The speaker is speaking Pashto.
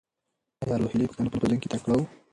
ایا روهیلې پښتانه په جنګ کې تکړه وو؟